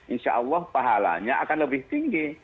insya allah pahalanya akan lebih tinggi